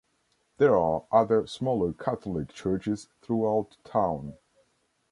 There are other smaller Catholic churches throughout town.